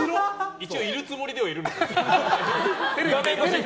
一応いるつもりではいるんじゃない。